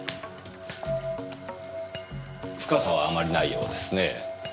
深さはあまりないようですねぇ。